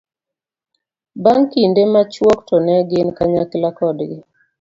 bang' kinde machuok to ne gin kanyakla kodgi